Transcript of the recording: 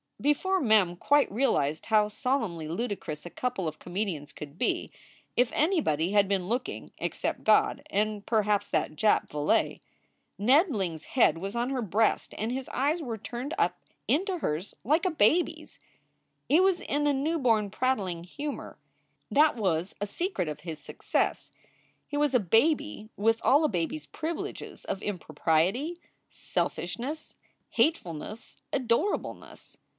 SOULS FOR SALE 345 Before Mem quite realized how solemnly ludicrous a couple of comedians could be if anybody had been looking except God and perhaps that Jap valet Ned Ling s head was on her breast and his eyes were turned up into hers like a baby s. He was in a newborn prattling humor. That was a secret of his success. He was a baby with all a baby s privileges of impropriety, selfishness, hatefulness, adorableness.